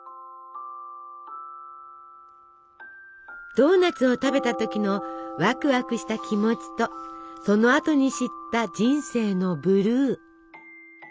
ドーナツを食べた時のワクワクした気持ちとそのあとに知った人生のブルー。